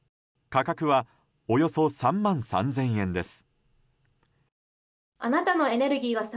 価格はおよそ３万３０００円です。